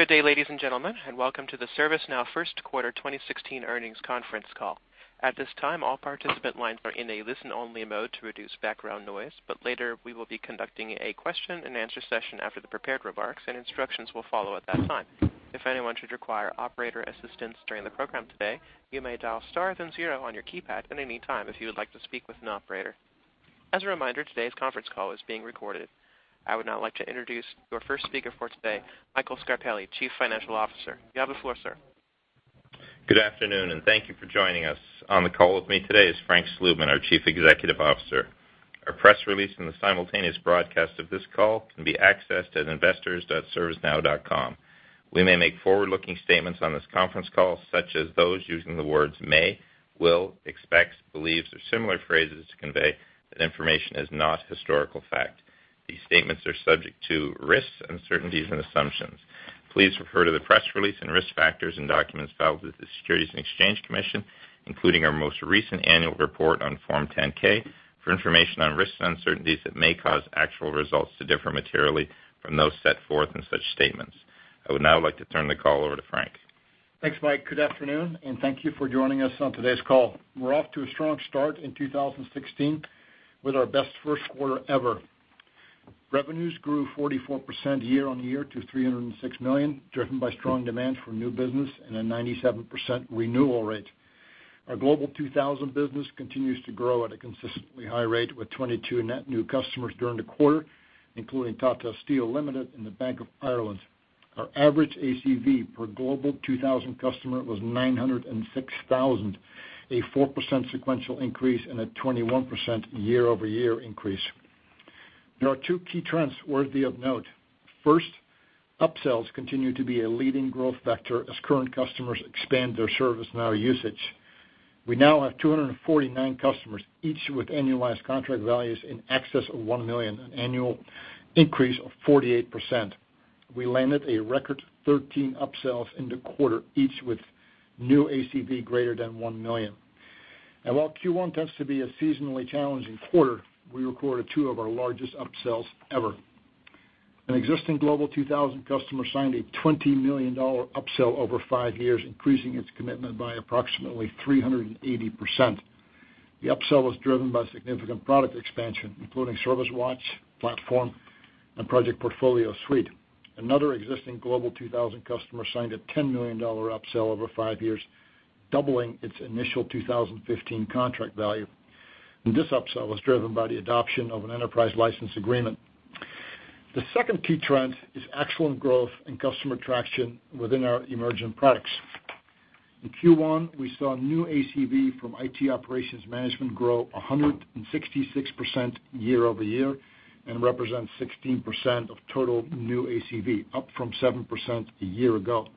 Good day, ladies and gentlemen. Welcome to the ServiceNow first quarter 2016 earnings conference call. At this time, all participant lines are in a listen-only mode to reduce background noise. Later we will be conducting a question and answer session after the prepared remarks, and instructions will follow at that time. If anyone should require operator assistance during the program today, you may dial star then zero on your keypad at any time if you would like to speak with an operator. As a reminder, today's conference call is being recorded. I would now like to introduce your first speaker for today, Michael Scarpelli, Chief Financial Officer. You have the floor, sir. Good afternoon. Thank you for joining us. On the call with me today is Frank Slootman, our Chief Executive Officer. Our press release and the simultaneous broadcast of this call can be accessed at investors.servicenow.com. We may make forward-looking statements on this conference call, such as those using the words may, will, expects, believes, or similar phrases to convey that information is not historical fact. These statements are subject to risks, uncertainties and assumptions. Please refer to the press release and risk factors and documents filed with the Securities and Exchange Commission, including our most recent annual report on Form 10-K, for information on risks and uncertainties that may cause actual results to differ materially from those set forth in such statements. I would now like to turn the call over to Frank. Thanks, Mike. Good afternoon. Thank you for joining us on today's call. We're off to a strong start in 2016 with our best first quarter ever. Revenues grew 44% year-over-year to $306 million, driven by strong demand for new business and a 97% renewal rate. Our Global 2000 business continues to grow at a consistently high rate with 22 net new customers during the quarter, including Tata Steel Limited and the Bank of Ireland. Our average ACV per Global 2000 customer was $906,000, a 4% sequential increase and a 21% year-over-year increase. There are two key trends worthy of note. First, upsells continue to be a leading growth vector as current customers expand their ServiceNow usage. We now have 249 customers, each with annualized contract values in excess of $1 million, an annual increase of 48%. We landed a record 13 upsells in the quarter, each with new ACV greater than $1 million. While Q1 tends to be a seasonally challenging quarter, we recorded two of our largest upsells ever. An existing Global 2000 customer signed a $20 million upsell over five years, increasing its commitment by approximately 380%. The upsell was driven by significant product expansion, including ServiceWatch, Platform, and Project Portfolio Suite. Another existing Global 2000 customer signed a $10 million upsell over five years, doubling its initial 2015 contract value. This upsell was driven by the adoption of an Enterprise License Agreement. The second key trend is excellent growth and customer traction within our emergent products. In Q1, we saw new ACV from IT Operations Management grow 166% year-over-year and represent 16% of total new ACV, up from 7% a year ago.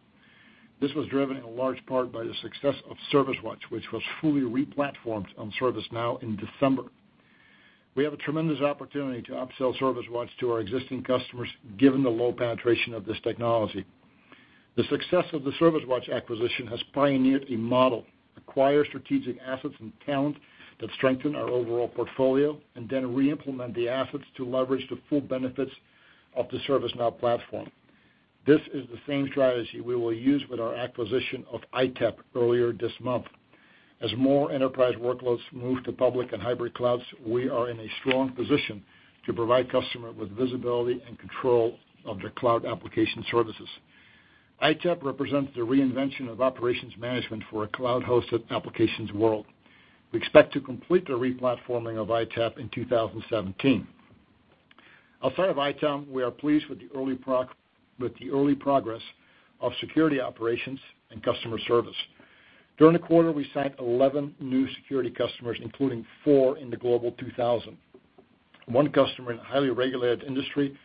This was driven in large part by the success of ServiceWatch, which was fully re-platformed on ServiceNow in December. We have a tremendous opportunity to upsell ServiceWatch to our existing customers given the low penetration of this technology. The success of the ServiceWatch acquisition has pioneered a model, acquire strategic assets and talent that strengthen our overall portfolio and then re-implement the assets to leverage the full benefits of the ServiceNow platform. This is the same strategy we will use with our acquisition of ITapp earlier this month. As more enterprise workloads move to public and hybrid clouds, we are in a strong position to provide customers with visibility and control of their cloud application services. ITapp represents the reinvention of operations management for a cloud-hosted applications world. We expect to complete the re-platforming of ITapp in 2017. Outside of ITapp, we are pleased with the early progress of Security Operations and Customer Service Management. During the quarter, we signed 11 new security customers, including four in the Global 2000. One customer in a highly regulated industry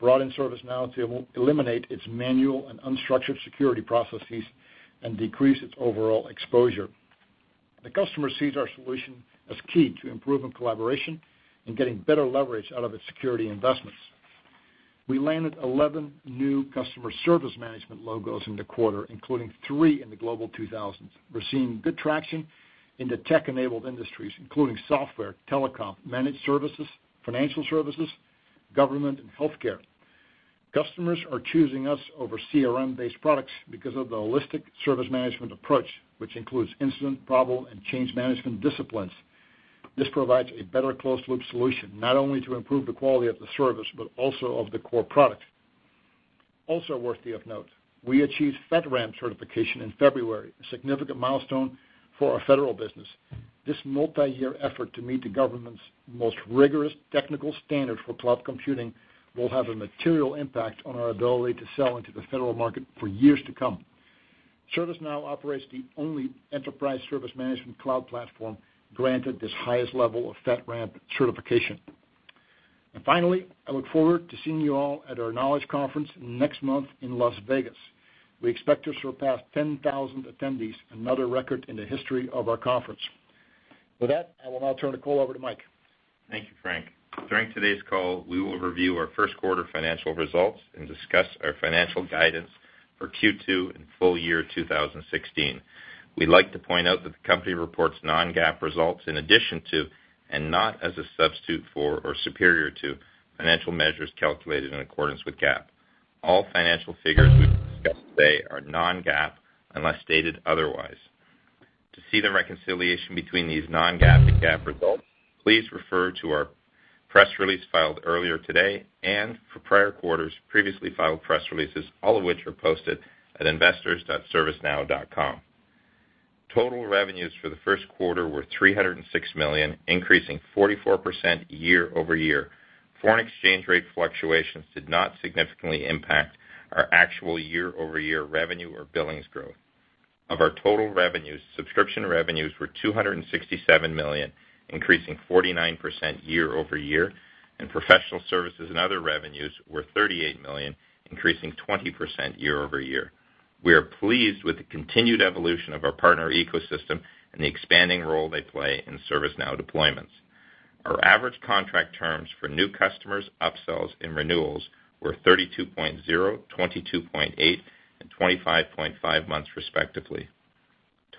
brought in ServiceNow to eliminate its manual and unstructured security processes and decrease its overall exposure. The customer sees our solution as key to improving collaboration and getting better leverage out of its security investments. We landed 11 new Customer Service Management logos in the quarter, including three in the Global 2000. We're seeing good traction in the tech-enabled industries, including software, telecom, managed services, financial services, government, and healthcare. Customers are choosing us over CRM-based products because of the holistic service management approach, which includes incident, problem, and change management disciplines. This provides a better closed-loop solution, not only to improve the quality of the service, but also of the core product. Also worthy of note, we achieved FedRAMP certification in February, a significant milestone for our federal business. This multi-year effort to meet the government's most rigorous technical standard for cloud computing will have a material impact on our ability to sell into the federal market for years to come. ServiceNow operates the only enterprise service management cloud platform granted this highest level of FedRAMP certification. Finally, I look forward to seeing you all at our Knowledge Conference next month in Las Vegas. We expect to surpass 10,000 attendees, another record in the history of our conference. With that, I will now turn the call over to Mike. Thank you, Frank. During today's call, we will review our first quarter financial results and discuss our financial guidance for Q2 and full year 2016. We'd like to point out that the company reports non-GAAP results in addition to, and not as a substitute for or superior to, financial measures calculated in accordance with GAAP. All financial figures we discuss today are non-GAAP, unless stated otherwise. To see the reconciliation between these non-GAAP and GAAP results, please refer to our press release filed earlier today and for prior quarters, previously filed press releases, all of which are posted at investors.servicenow.com. Total revenues for the first quarter were $306 million, increasing 44% year-over-year. Foreign exchange rate fluctuations did not significantly impact our actual year-over-year revenue or billings growth. Of our total revenues, subscription revenues were $267 million, increasing 49% year-over-year, and professional services and other revenues were $38 million, increasing 20% year-over-year. We are pleased with the continued evolution of our partner ecosystem and the expanding role they play in ServiceNow deployments. Our average contract terms for new customers, upsells, and renewals were 32.0, 22.8, and 25.5 months respectively.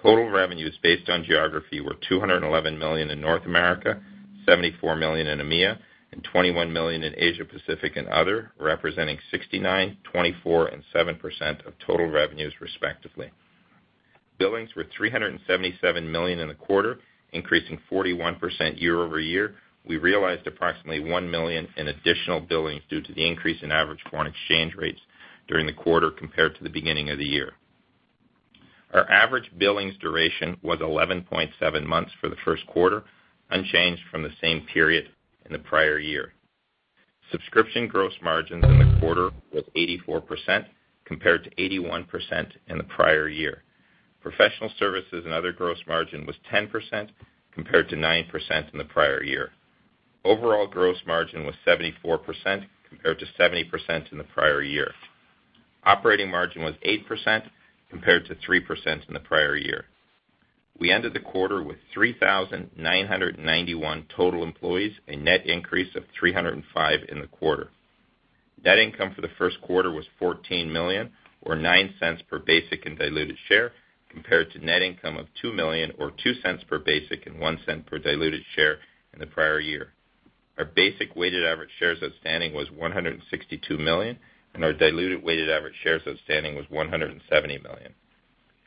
Total revenues based on geography were $211 million in North America, $74 million in EMEA, and $21 million in Asia Pacific and other, representing 69%, 24%, and 7% of total revenues respectively. Billings were $377 million in the quarter, increasing 41% year-over-year. We realized approximately $1 million in additional billings due to the increase in average foreign exchange rates during the quarter compared to the beginning of the year. Our average billings duration was 11.7 months for the first quarter, unchanged from the same period in the prior year. Subscription gross margins in the quarter was 84%, compared to 81% in the prior year. Professional services and other gross margin was 10%, compared to 9% in the prior year. Overall gross margin was 74%, compared to 70% in the prior year. Operating margin was 8%, compared to 3% in the prior year. We ended the quarter with 3,991 total employees, a net increase of 305 in the quarter. Net income for the first quarter was $14 million, or $0.09 per basic and diluted share, compared to net income of $2 million or $0.02 per basic and $0.01 per diluted share in the prior year. Our basic weighted average shares outstanding was 162 million, and our diluted weighted average shares outstanding was 170 million.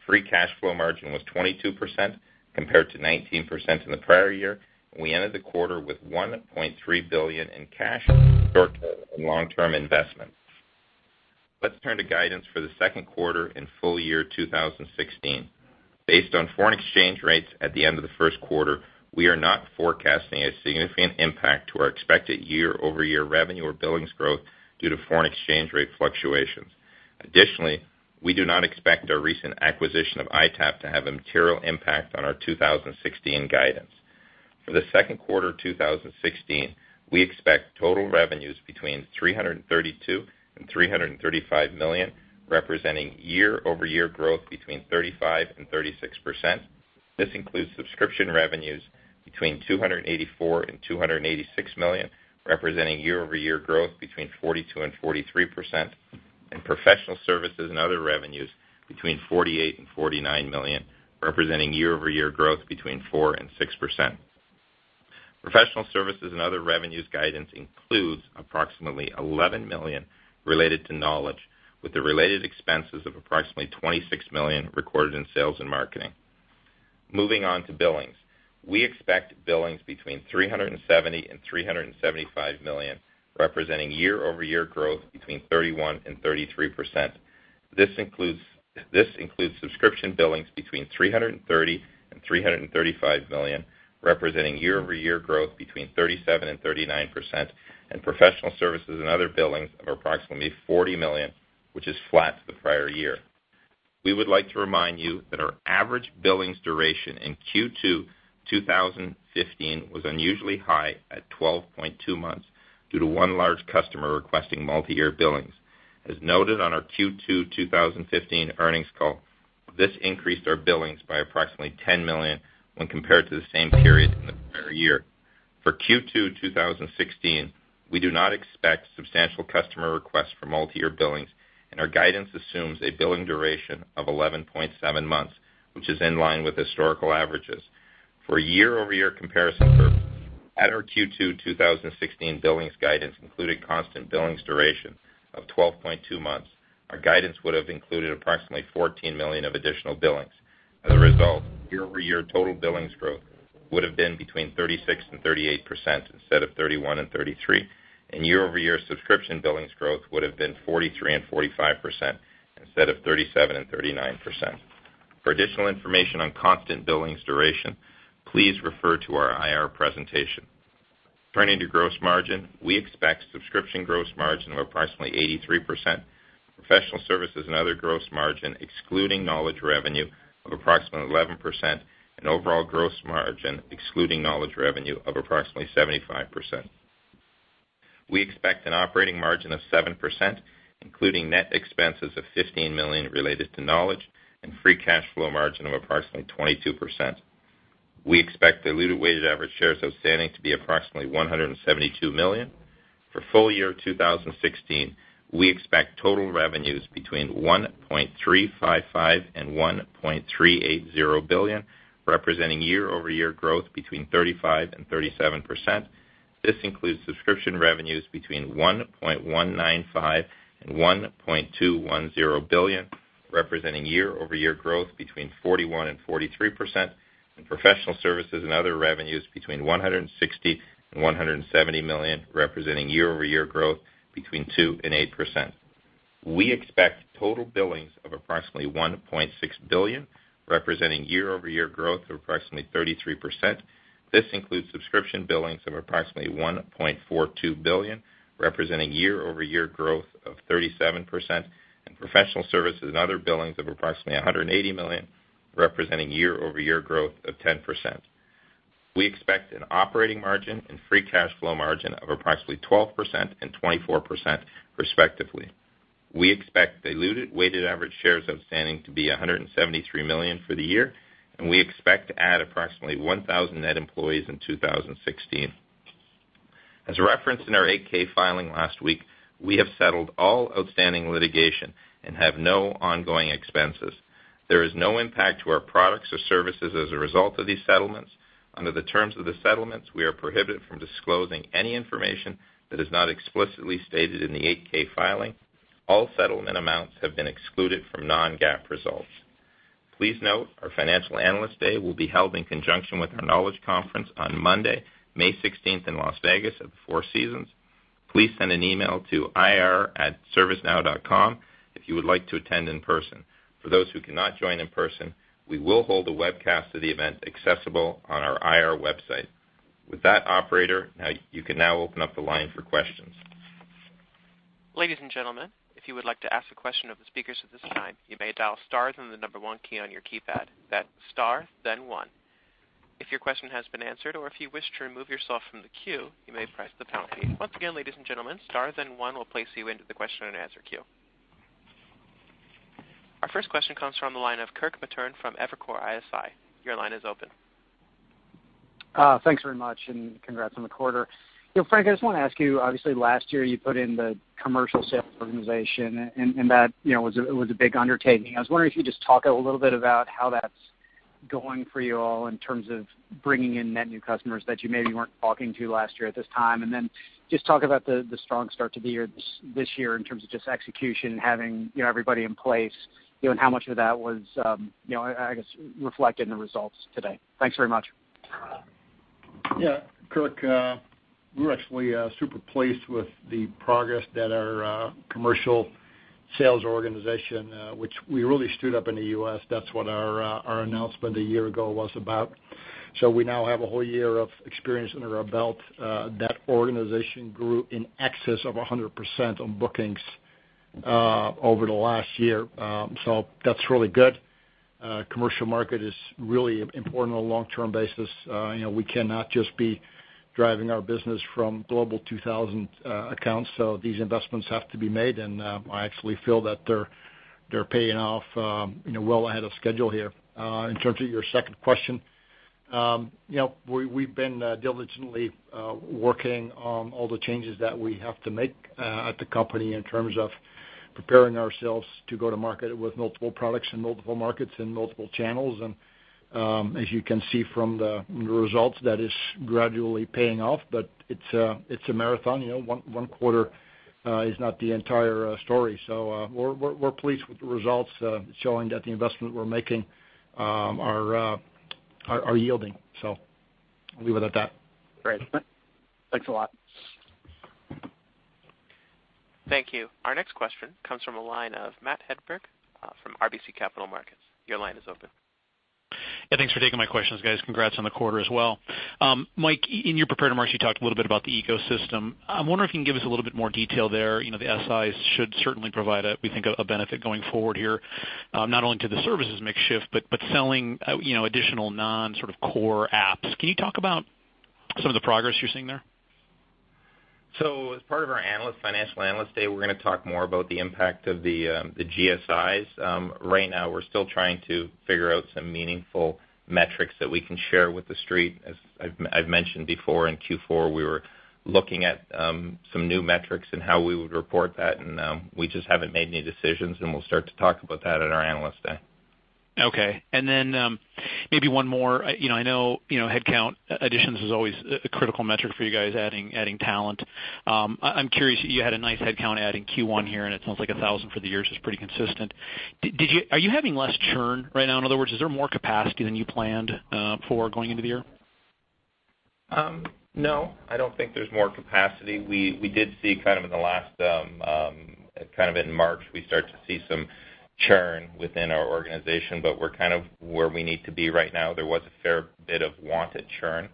Free cash flow margin was 22%, compared to 19% in the prior year, and we ended the quarter with $1.3 billion in cash, short-term, and long-term investments. Let's turn to guidance for the second quarter and full year 2016. Based on foreign exchange rates at the end of the first quarter, we are not forecasting a significant impact to our expected year-over-year revenue or billings growth due to foreign exchange rate fluctuations. Additionally, we do not expect our recent acquisition of ITapp to have a material impact on our 2016 guidance. For the second quarter 2016, we expect total revenues between $332 million-$335 million, representing year-over-year growth between 35%-36%. This includes subscription revenues between $284 million-$286 million, representing year-over-year growth between 42%-43%, and professional services and other revenues between $48 million-$49 million, representing year-over-year growth between 4%-6%. Professional services and other revenues guidance includes approximately $11 million related to Knowledge Conference, with the related expenses of approximately $26 million recorded in sales and marketing. Moving on to billings. We expect billings between $370 million-$375 million, representing year-over-year growth between 31%-33%. This includes subscription billings between $330 million-$335 million, representing year-over-year growth between 37%-39%, and professional services and other billings of approximately $40 million, which is flat to the prior year. We would like to remind you that our average billings duration in Q2 2015 was unusually high at 12.2 months due to one large customer requesting multi-year billings. As noted on our Q2 2015 earnings call, this increased our billings by approximately $10 million when compared to the same period in the prior year. For Q2 2016, we do not expect substantial customer requests for multi-year billings, and our guidance assumes a billing duration of 11.7 months, which is in line with historical averages. For year-over-year comparison purposes, at our Q2 2016 billings guidance including constant billings duration of 12.2 months, our guidance would have included approximately $14 million of additional billings. As a result, year-over-year total billings growth would have been between 36%-38% instead of 31%-33%, and year-over-year subscription billings growth would have been 43%-45% instead of 37%-39%. For additional information on constant billings duration, please refer to our IR presentation. Turning to gross margin, we expect subscription gross margin of approximately 83%, professional services and other gross margin, excluding Knowledge revenue, of approximately 11%, and overall gross margin, excluding Knowledge revenue, of approximately 75%. We expect an operating margin of 7%, including net expenses of $15 million related to Knowledge and free cash flow margin of approximately 22%. We expect diluted weighted average shares outstanding to be approximately 172 million. For full year 2016, we expect total revenues between $1.355 billion and $1.380 billion, representing year-over-year growth between 35%-37%. This includes subscription revenues between $1.195 billion and $1.210 billion, representing year-over-year growth between 41%-43%, and professional services and other revenues between $160 million and $170 million, representing year-over-year growth between 2%-8%. We expect total billings of approximately $1.6 billion, representing year-over-year growth of approximately 33%. This includes subscription billings of approximately $1.42 billion, representing year-over-year growth of 37%, and professional services and other billings of approximately $180 million, representing year-over-year growth of 10%. We expect an operating margin and free cash flow margin of approximately 12% and 24%, respectively. We expect diluted weighted average shares outstanding to be 173 million for the year, and we expect to add approximately 1,000 net employees in 2016. As referenced in our 8-K filing last week, we have settled all outstanding litigation and have no ongoing expenses. There is no impact to our products or services as a result of these settlements. Under the terms of the settlements, we are prohibited from disclosing any information that is not explicitly stated in the 8-K filing. All settlement amounts have been excluded from non-GAAP results. Please note our Financial Analyst Day will be held in conjunction with our Knowledge Conference on Monday, May 16th in Las Vegas at the Four Seasons. Please send an email to ir@servicenow.com if you would like to attend in person. For those who cannot join in person, we will hold a webcast of the event accessible on our IR website. With that, operator, you can now open up the line for questions. Ladies and gentlemen, if you would like to ask a question of the speakers at this time, you may dial star then the number one key on your keypad. That's star then one. If your question has been answered or if you wish to remove yourself from the queue, you may press the pound key. Once again, ladies and gentlemen, star then one will place you into the question-and-answer queue. Our first question comes from the line of Kirk Materne from Evercore ISI. Your line is open. Thanks very much. Congrats on the quarter. Frank, I just want to ask you, obviously, last year you put in the commercial sales organization, and that was a big undertaking. I was wondering if you could just talk a little bit about how that's going for you all in terms of bringing in net new customers that you maybe weren't talking to last year at this time, then just talk about the strong start to this year in terms of just execution, having everybody in place, and how much of that was, I guess, reflected in the results today. Thanks very much. Kirk, we're actually super pleased with the progress that our commercial sales organization, which we really stood up in the U.S. That's what our announcement a year ago was about. We now have a whole year of experience under our belt. That organization grew in excess of 100% on bookings over the last year. That's really good. Commercial market is really important on a long-term basis. We cannot just be driving our business from Global 2000 accounts. These investments have to be made, I actually feel that they're paying off well ahead of schedule here. In terms of your second question, we've been diligently working on all the changes that we have to make at the company in terms of preparing ourselves to go to market with multiple products in multiple markets and multiple channels. As you can see from the results, that is gradually paying off, but it's a marathon. One quarter is not the entire story. We're pleased with the results showing that the investment we're making are yielding. I'll leave it at that. Great. Thanks a lot. Thank you. Our next question comes from the line of Matthew Hedberg from RBC Capital Markets. Your line is open. Yeah, thanks for taking my questions, guys. Congrats on the quarter as well. Mike, in your prepared remarks, you talked a little bit about the ecosystem. I'm wondering if you can give us a little bit more detail there. The SIs should certainly provide, we think, a benefit going forward here, not only to the services mix shift, but selling additional non sort of core apps. Can you talk about some of the progress you're seeing there? As part of our Financial Analyst Day, we're going to talk more about the impact of the GSIs. Right now, we're still trying to figure out some meaningful metrics that we can share with the Street. As I've mentioned before, in Q4, we were looking at some new metrics and how we would report that, and we just haven't made any decisions, and we'll start to talk about that at our Analyst Day. Okay. Maybe one more. I know headcount additions is always a critical metric for you guys, adding talent. I'm curious, you had a nice headcount add in Q1 here, and it sounds like 1,000 for the year, which is pretty consistent. Are you having less churn right now? In other words, is there more capacity than you planned for going into the year? No, I don't think there's more capacity. We did see kind of in March, we start to see some churn within our organization, but we're kind of where we need to be right now. There was a fair bit of wanted churn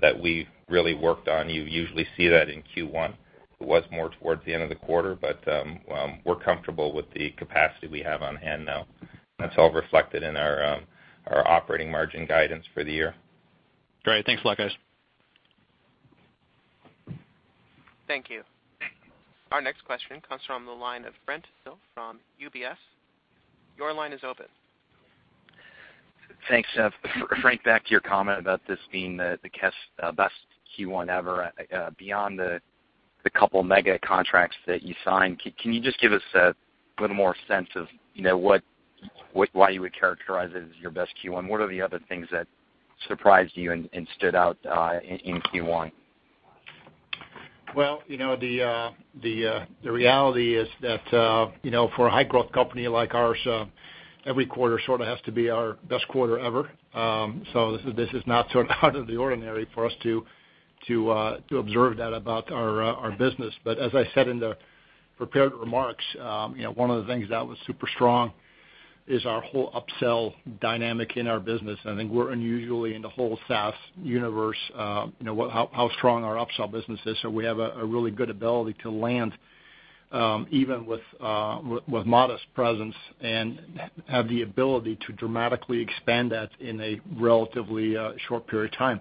that we've really worked on. You usually see that in Q1. It was more towards the end of the quarter, but we're comfortable with the capacity we have on hand now. That's all reflected in our operating margin guidance for the year. Great. Thanks a lot, guys. Thank you. Thank you. Our next question comes from the line of Brent Thill from UBS. Your line is open. Thanks. Frank, back to your comment about this being the best Q1 ever. Beyond the couple mega contracts that you signed, can you just give us a little more sense of why you would characterize it as your best Q1? What are the other things that surprised you and stood out in Q1? Well, the reality is that for a high-growth company like ours, every quarter sort of has to be our best quarter ever. This is not so out of the ordinary for us to observe that about our business. As I said in the prepared remarks, one of the things that was super strong is our whole upsell dynamic in our business, and I think we're unusually in the whole SaaS universe, how strong our upsell business is. We have a really good ability to land, even with modest presence, and have the ability to dramatically expand that in a relatively short period of time.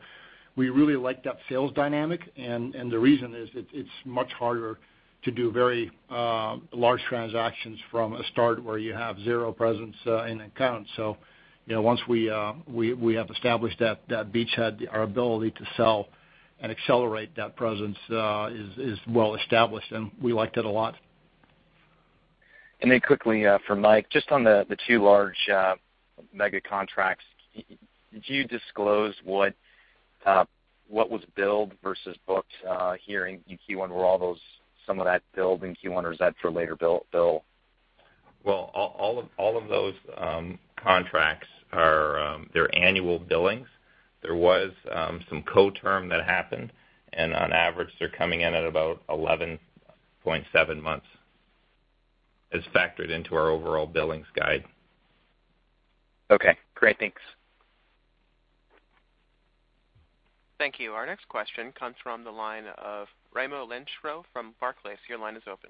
We really like that sales dynamic, and the reason is it's much harder to do very large transactions from a start where you have zero presence in an account. once we have established that beachhead, our ability to sell and accelerate that presence is well established, and we liked it a lot. quickly for Mike, just on the two large mega contracts, did you disclose what was billed versus booked here in Q1? Were some of that billed in Q1 or is that for later bill? Well, all of those contracts are annual billings. There was some co-term that happened, and on average, they're coming in at about 11.7 months. It's factored into our overall billings guide. Okay, great. Thanks. Thank you. Our next question comes from the line of Raimo Lenschow from Barclays. Your line is open.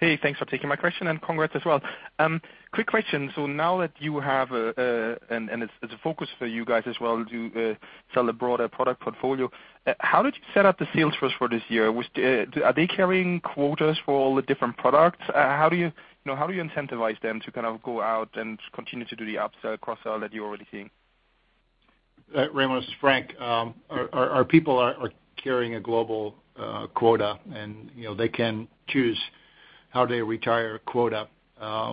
Hey, thanks for taking my question, and congrats as well. Quick question. Now that you have, and it's a focus for you guys as well to sell a broader product portfolio, how did you set up the sales force for this year? Are they carrying quotas for all the different products? How do you incentivize them to kind of go out and continue to do the upsell, cross-sell that you're already seeing? Raimo, this is Frank. Our people are carrying a global quota, and they can choose how they retire a quota.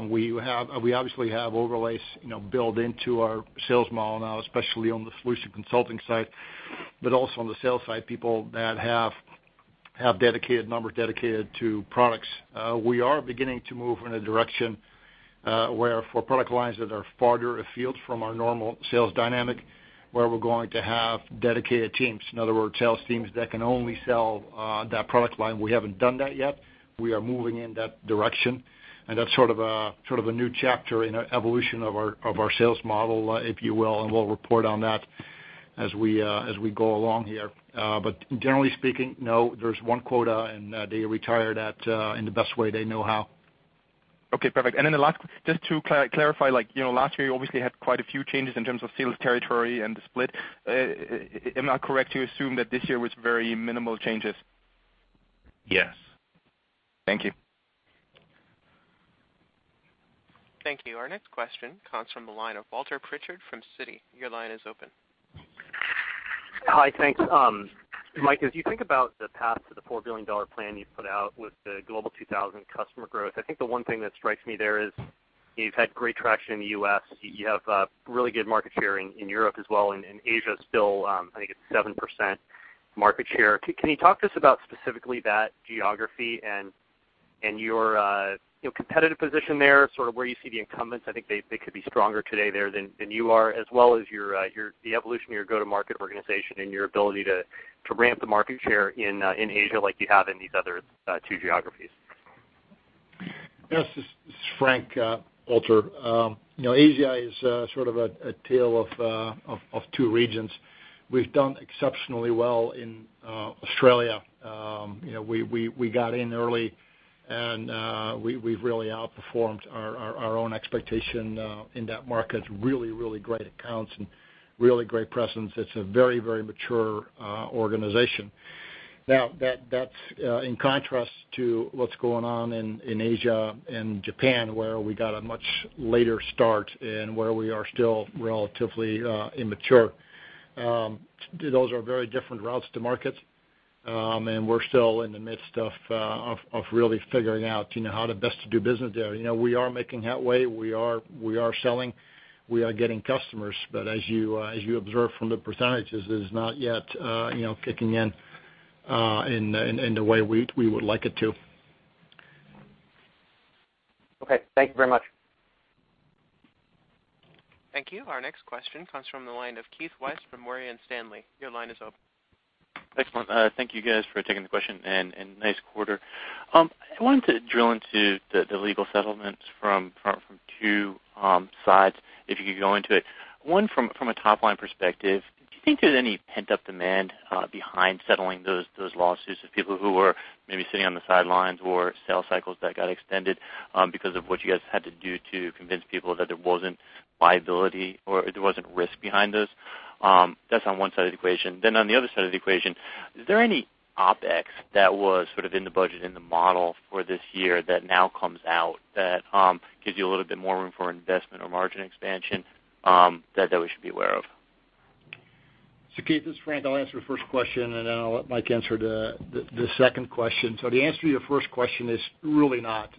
We obviously have overlays built into our sales model now, especially on the solution consulting side, but also on the sales side, people that have dedicated numbers dedicated to products. We are beginning to move in a direction where for product lines that are farther afield from our normal sales dynamic, where we're going to have dedicated teams. In other words, sales teams that can only sell that product line. We haven't done that yet. We are moving in that direction, and that's sort of a new chapter in the evolution of our sales model, if you will, and we'll report on that as we go along here. Generally speaking, no, there's one quota, and they retire that in the best way they know how. Okay, perfect. Just to clarify, last year, you obviously had quite a few changes in terms of sales territory and the split. Am I correct to assume that this year was very minimal changes? Yes. Thank you. Thank you. Our next question comes from the line of Walter Pritchard from Citi. Your line is open. Hi, thanks. Mike, as you think about the path to the $4 billion plan you've put out with the Global 2000 customer growth, I think the one thing that strikes me there is you've had great traction in the U.S., you have really good market share in Europe as well, and Asia still, I think it's 7% market share. Can you talk to us about specifically that geography and your competitive position there, sort of where you see the incumbents? I think they could be stronger today there than you are, as well as the evolution of your go-to-market organization and your ability to ramp the market share in Asia like you have in these other two geographies. Yes. This is Frank, Walter. Asia is sort of a tale of two regions. We've done exceptionally well in Australia. We got in early, and we've really outperformed our own expectation in that market. Really, really great accounts and really great presence. Now, that's in contrast to what's going on in Asia and Japan, where we got a much later start and where we are still relatively immature. Those are very different routes to market, and we're still in the midst of really figuring out how best to do business there. We are making headway. We are selling. We are getting customers, but as you observe from the percentages, it is not yet kicking in the way we would like it to. Okay. Thank you very much. Thank you. Our next question comes from the line of Keith Weiss from Morgan Stanley. Your line is open. Excellent. Thank you guys for taking the question, and nice quarter. I wanted to drill into the legal settlements from two sides, if you could go into it. One, from a top-line perspective, do you think there's any pent-up demand behind settling those lawsuits of people who were maybe sitting on the sidelines or sales cycles that got extended because of what you guys had to do to convince people that there wasn't liability or there wasn't risk behind those? That's on one side of the equation. On the other side of the equation, is there any OpEx that was sort of in the budget, in the model for this year that now comes out that gives you a little bit more room for investment or margin expansion, that we should be aware of? Keith, this is Frank. I'll answer the first question, and then I'll let Mike answer the second question. The answer to your first question is really not.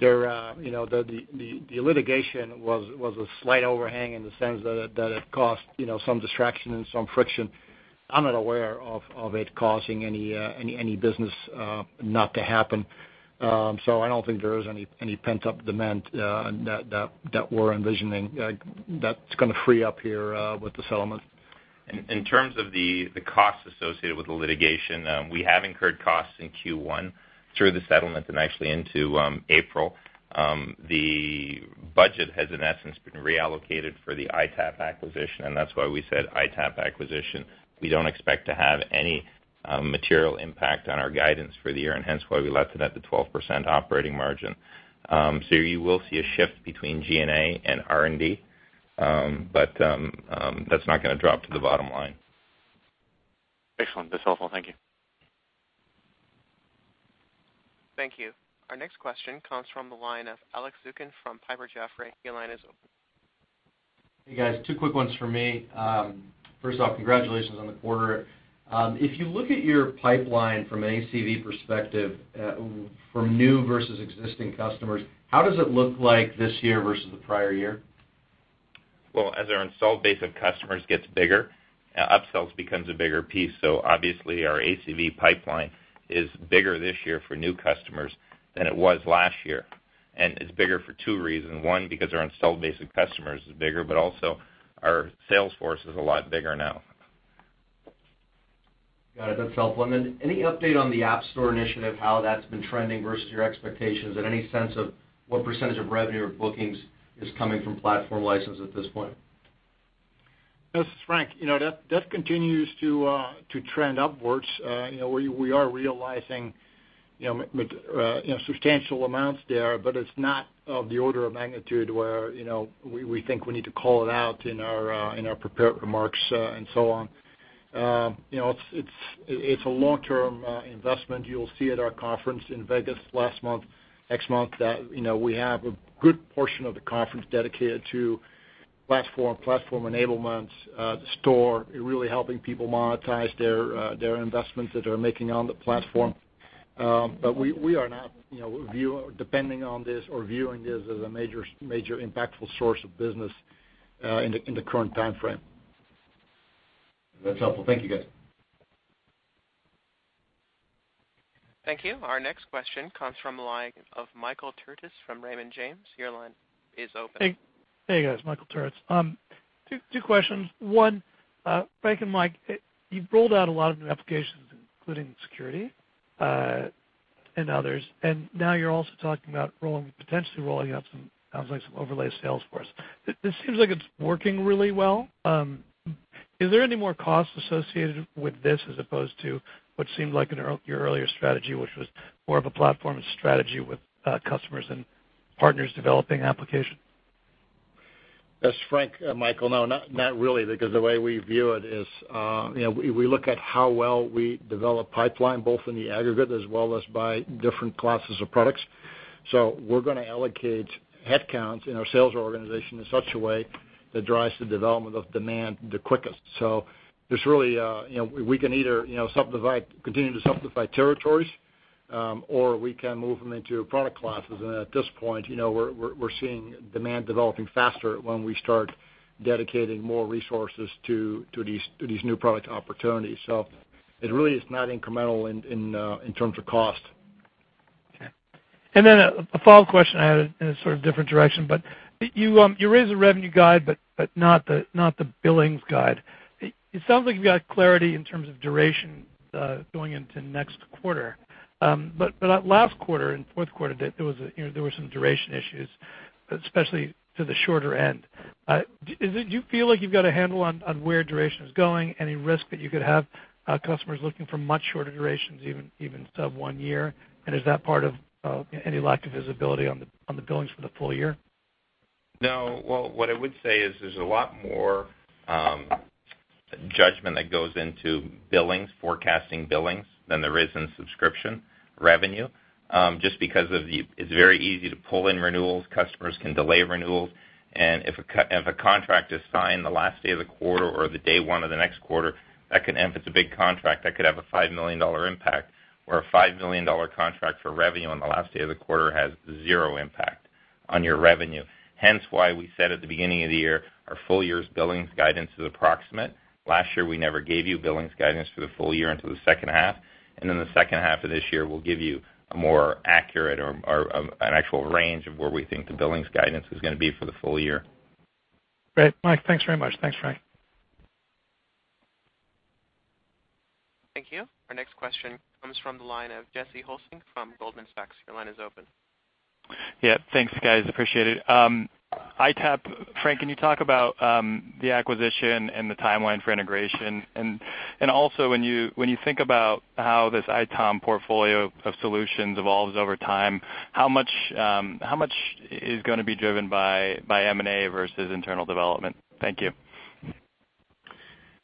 The litigation was a slight overhang in the sense that it caused some distraction and some friction. I'm not aware of it causing any business not to happen. I don't think there is any pent-up demand that we're envisioning that's going to free up here with the settlement. In terms of the costs associated with the litigation, we have incurred costs in Q1 through the settlement and actually into April. The budget has, in essence, been reallocated for the ITapp acquisition, and that's why we said ITapp acquisition. We don't expect to have any material impact on our guidance for the year, and hence why we left it at the 12% operating margin. You will see a shift between G&A and R&D, but that's not going to drop to the bottom line. Excellent. That's helpful. Thank you. Thank you. Our next question comes from the line of Alex Zukin from Piper Jaffray. Your line is open. Hey, guys. Two quick ones for me. First off, congratulations on the quarter. If you look at your pipeline from an ACV perspective, from new versus existing customers, how does it look like this year versus the prior year? Well, as our installed base of customers gets bigger, upsells becomes a bigger piece. Obviously, our ACV pipeline is bigger this year for new customers than it was last year. It's bigger for two reasons. One, because our installed base of customers is bigger, but also our sales force is a lot bigger now. Got it. That's helpful. Any update on the App Store initiative, how that's been trending versus your expectations? Any sense of what % of revenue or bookings is coming from platform license at this point? This is Frank. That continues to trend upwards. We are realizing substantial amounts there, but it's not of the order of magnitude where we think we need to call it out in our prepared remarks and so on. It's a long-term investment. You'll see at our conference in Vegas next month that we have a good portion of the conference dedicated to platform enablement, the store, really helping people monetize their investments that they're making on the platform. We are not depending on this or viewing this as a major impactful source of business in the current time frame. That's helpful. Thank you, guys. Thank you. Our next question comes from the line of Michael Turits from Raymond James. Your line is open. Hey, guys. Michael Turits. Two questions. One, Frank and Mike, you've rolled out a lot of new applications, including Security and others, and now you're also talking about potentially rolling out, it sounds like, some overlay of Salesforce. It seems like it's working really well. Is there any more cost associated with this as opposed to what seemed like your earlier strategy, which was more of a platform strategy with customers and partners developing applications? This is Frank. Michael, no, not really, because the way we view it is, we look at how well we develop pipeline, both in the aggregate as well as by different classes of products. We're going to allocate headcounts in our sales organization in such a way that drives the development of demand the quickest. We can either continue to subdivide territories, or we can move them into product classes. At this point, we're seeing demand developing faster when we start dedicating more resources to these new product opportunities. It really is not incremental in terms of cost. Okay. Then a follow-up question I had in a sort of different direction, you raised the revenue guide, not the billings guide. It sounds like you've got clarity in terms of duration going into next quarter. Last quarter, in fourth quarter, there were some duration issues, especially to the shorter end. Do you feel like you've got a handle on where duration is going? Any risk that you could have customers looking for much shorter durations, even sub one year? Is that part of any lack of visibility on the billings for the full year? No. Well, what I would say is there's a lot more judgment that goes into billings, forecasting billings, than there is in subscription revenue. Just because it's very easy to pull in renewals. Customers can delay renewals. If a contract is signed the last day of the quarter or the day one of the next quarter, if it's a big contract, that could have a $5 million impact. Where a $5 million contract for revenue on the last day of the quarter has zero impact on your revenue. Hence why we said at the beginning of the year, our full year's billings guidance is approximate. Last year, we never gave you billings guidance for the full year until the second half. In the second half of this year, we'll give you a more accurate or an actual range of where we think the billings guidance is going to be for the full year. Great, Mike. Thanks very much. Thanks, Frank. Thank you. Our next question comes from the line of Jesse Hulsing from Goldman Sachs. Your line is open. Yeah. Thanks, guys. Appreciate it. ITapp, Frank, can you talk about the acquisition and the timeline for integration? Also, when you think about how this ITOM portfolio of solutions evolves over time, how much is going to be driven by M&A versus internal development? Thank you.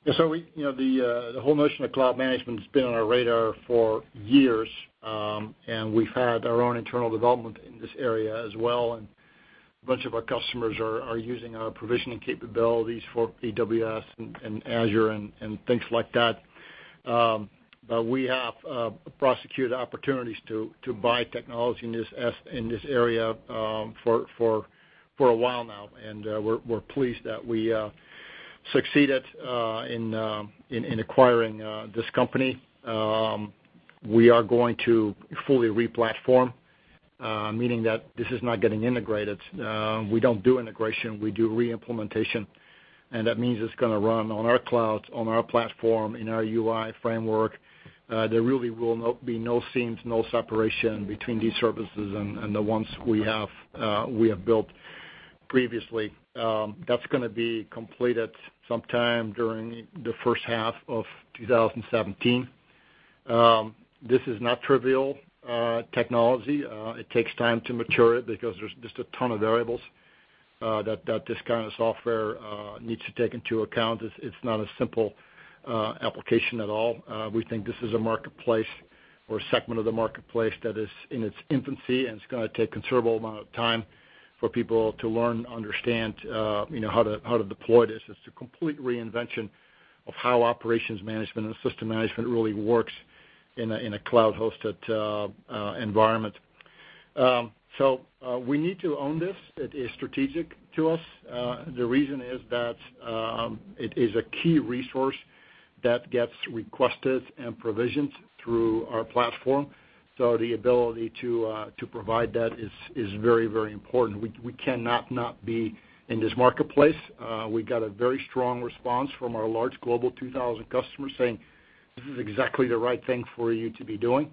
Yeah. The whole notion of cloud management has been on our radar for years. We've had our own internal development in this area as well, and a bunch of our customers are using our provisioning capabilities for AWS and Azure and things like that. We have prosecuted opportunities to buy technology in this area for a while now. We're pleased that we succeeded in acquiring this company. We are going to fully re-platform, meaning that this is not getting integrated. We don't do integration. We do re-implementation. That means it's going to run on our clouds, on our platform, in our UI framework. There really will be no seams, no separation between these services and the ones we have built previously. That's going to be completed sometime during the first half of 2017. This is not trivial technology. It takes time to mature it because there's just a ton of variables that this kind of software needs to take into account. It's not a simple application at all. We think this is a marketplace or a segment of the marketplace that is in its infancy, it's going to take a considerable amount of time for people to learn and understand how to deploy this. It's a complete reinvention of how operations management and system management really works in a cloud-hosted environment. We need to own this. It is strategic to us. The reason is that it is a key resource that gets requested and provisioned through our platform. The ability to provide that is very important. We cannot not be in this marketplace. We got a very strong response from our large Global 2000 customers saying, "This is exactly the right thing for you to be doing."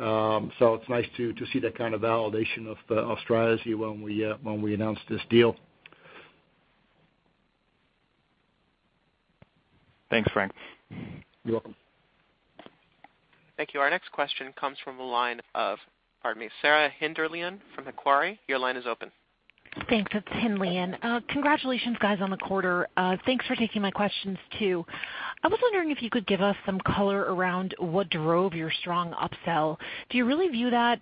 It's nice to see that kind of validation of strategy when we announced this deal. Thanks, Frank. You're welcome. Thank you. Our next question comes from the line of, pardon me, Sarah Hindlian from Macquarie. Your line is open. Thanks. It's Hindlian. Congratulations, guys, on the quarter. Thanks for taking my questions, too. I was wondering if you could give us some color around what drove your strong upsell. Do you really view that,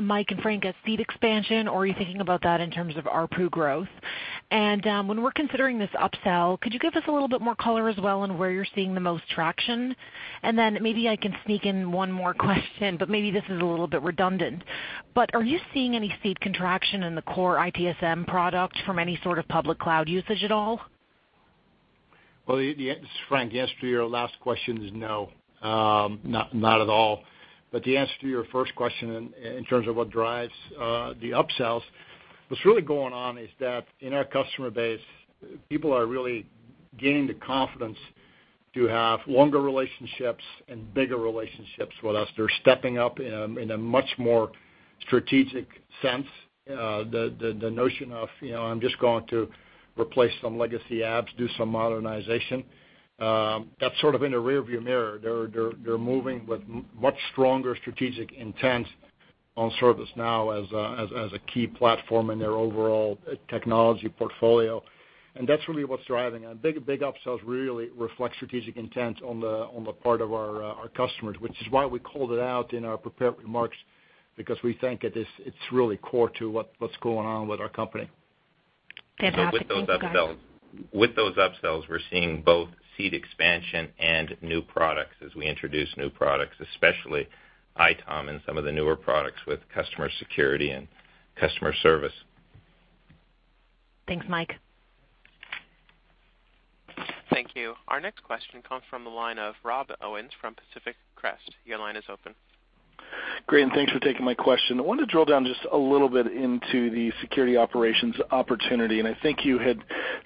Mike and Frank, as seat expansion, or are you thinking about that in terms of ARPU growth? When we're considering this upsell, could you give us a little bit more color as well on where you're seeing the most traction? Then maybe I can sneak in one more question, but maybe this is a little bit redundant, but are you seeing any seat contraction in the core ITSM product from any sort of public cloud usage at all? Well, this is Frank. The answer to your last question is no, not at all. The answer to your first question in terms of what drives the upsells, what's really going on is that in our customer base, people are really gaining the confidence to have longer relationships and bigger relationships with us. They're stepping up in a much more strategic sense. The notion of, I'm just going to replace some legacy apps, do some modernization, that's sort of in the rear-view mirror. They're moving with much stronger strategic intent on ServiceNow as a key platform in their overall technology portfolio. That's really what's driving. Big upsells really reflect strategic intent on the part of our customers, which is why we called it out in our prepared remarks because we think it's really core to what's going on with our company. Fantastic. Thank you, guys. With those upsells, we're seeing both seat expansion and new products as we introduce new products, especially ITOM and some of the newer products with Security Operations and customer service. Thanks, Mike. Thank you. Our next question comes from the line of Rob Owens from Pacific Crest. Your line is open. Great. Thanks for taking my question. I wanted to drill down just a little bit into the Security Operations opportunity. I think you had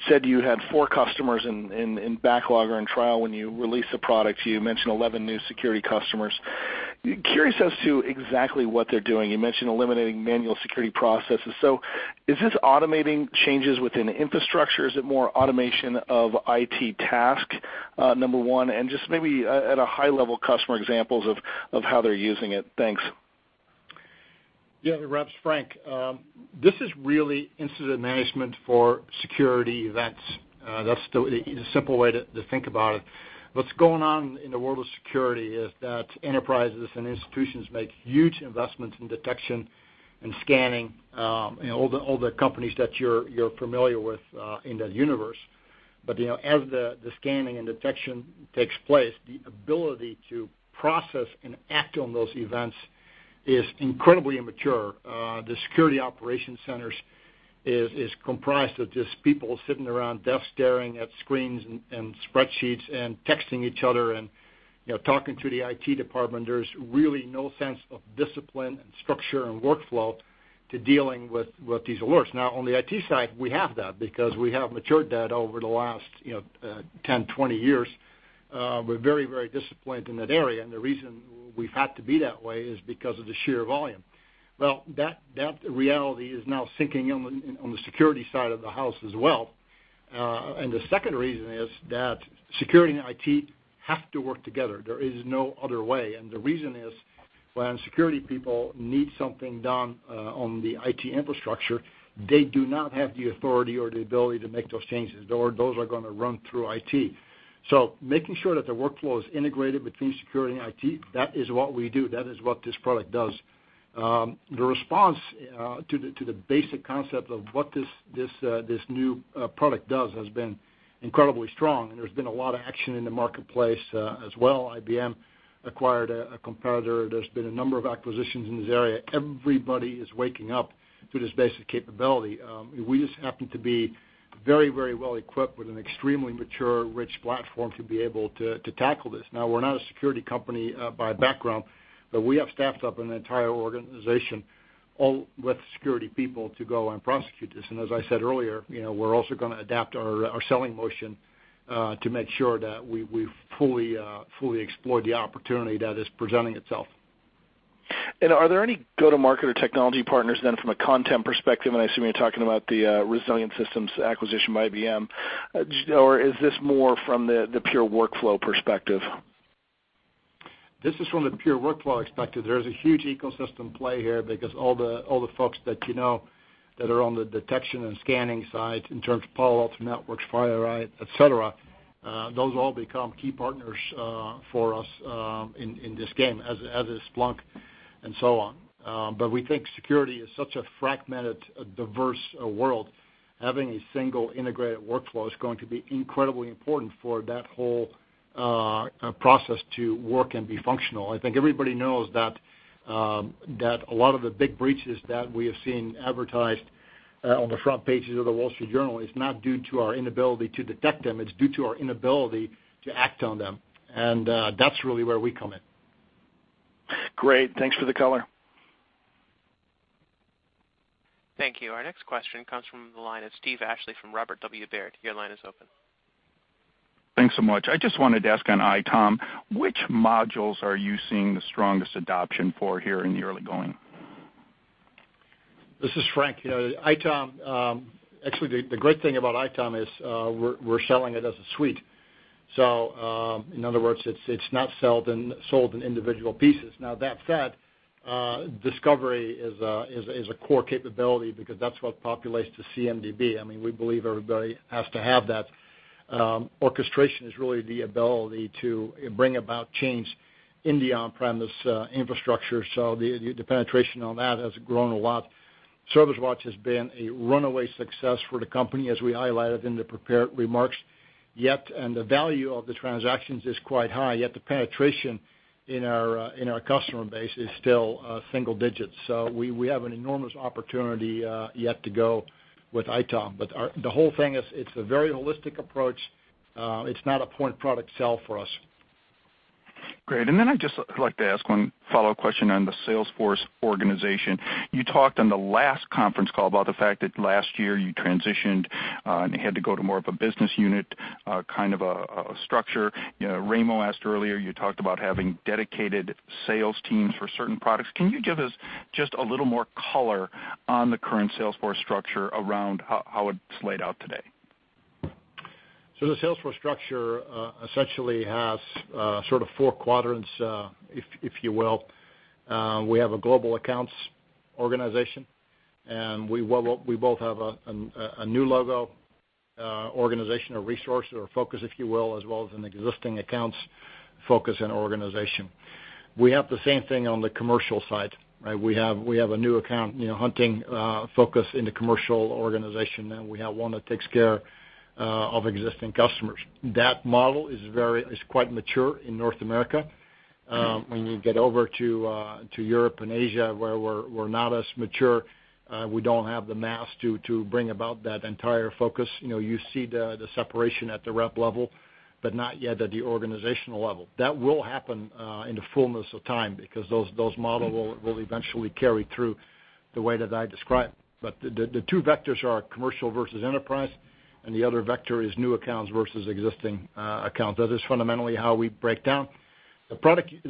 said you had four customers in backlog or in trial when you released the product. You mentioned 11 new security customers. Curious as to exactly what they're doing. You mentioned eliminating manual security processes. Is this automating changes within infrastructure? Is it more automation of IT task, number one? Just maybe at a high level, customer examples of how they're using it. Thanks. Yeah, Rob. It's Frank. This is really incident management for security events. That's the simple way to think about it. What's going on in the world of security is that enterprises and institutions make huge investments in detection and scanning, all the companies that you're familiar with in that universe. As the scanning and detection takes place, the ability to process and act on those events is incredibly immature. The security operations centers is comprised of just people sitting around desks staring at screens and spreadsheets and texting each other and talking to the IT department, there's really no sense of discipline and structure and workflow to dealing with these alerts. On the IT side, we have that because we have matured that over the last 10, 20 years. We're very disciplined in that area, the reason we've had to be that way is because of the sheer volume. Well, that reality is now sinking in on the security side of the house as well. The second reason is that security and IT have to work together. There is no other way. The reason is, when security people need something done on the IT infrastructure, they do not have the authority or the ability to make those changes. Those are going to run through IT. Making sure that the workflow is integrated between security and IT, that is what we do. That is what this product does. The response to the basic concept of what this new product does has been incredibly strong, and there's been a lot of action in the marketplace as well. IBM acquired a competitor. There's been a number of acquisitions in this area. Everybody is waking up to this basic capability. We just happen to be very well-equipped with an extremely mature, rich platform to be able to tackle this. Now, we're not a security company by background, but we have staffed up an entire organization with security people to go and prosecute this. As I said earlier, we're also going to adapt our selling motion to make sure that we've fully explored the opportunity that is presenting itself. Are there any go-to-market or technology partners then from a content perspective, and I assume you're talking about the Resilient Systems acquisition by IBM, or is this more from the pure workflow perspective? This is from the pure workflow perspective. There is a huge ecosystem play here because all the folks that you know that are on the detection and scanning side in terms of Palo Alto Networks, FireEye, et cetera, those all become key partners for us in this game, as is Splunk and so on. We think security is such a fragmented, diverse world. Having a single integrated workflow is going to be incredibly important for that whole process to work and be functional. I think everybody knows that a lot of the big breaches that we have seen advertised on the front pages of The Wall Street Journal is not due to our inability to detect them. It's due to our inability to act on them. That's really where we come in. Great. Thanks for the color. Thank you. Our next question comes from the line of Steve Ashley from Robert W. Baird. Your line is open. Thanks so much. I just wanted to ask on ITOM, which modules are you seeing the strongest adoption for here in the early going? This is Frank. Actually, the great thing about ITOM is we're selling it as a suite. In other words, it's not sold in individual pieces. Now, that said, discovery is a core capability because that's what populates the CMDB. We believe everybody has to have that. Orchestration is really the ability to bring about change in the on-premise infrastructure. The penetration on that has grown a lot. ServiceWatch has been a runaway success for the company, as we highlighted in the prepared remarks. The value of the transactions is quite high, yet the penetration in our customer base is still single digits. We have an enormous opportunity yet to go with ITOM. The whole thing is, it's a very holistic approach. It's not a point product sell for us. Great. I'd just like to ask one follow-up question on the sales force organization. You talked on the last conference call about the fact that last year you transitioned and had to go to more of a business unit kind of a structure. Raimo asked earlier, you talked about having dedicated sales teams for certain products. Can you give us just a little more color on the current sales force structure around how it's laid out today? The sales force structure essentially has sort of four quadrants, if you will. We have a global accounts organization, and we both have a new logo organization or resource or focus, if you will, as well as an existing accounts focus and organization. We have the same thing on the commercial side. We have a new account hunting focus in the commercial organization, and we have one that takes care of existing customers. That model is quite mature in North America. When you get over to Europe and Asia, where we're not as mature, we don't have the mass to bring about that entire focus. You see the separation at the rep level, but not yet at the organizational level. That will happen in the fullness of time because those models will eventually carry through the way that I described. The two vectors are commercial versus enterprise, and the other vector is new accounts versus existing accounts. That is fundamentally how we break down. The